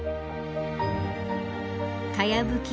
かやぶき